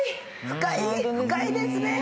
深いですね。